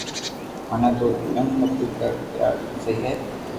مني تو تبگ متي ڪريار تو سھي ھي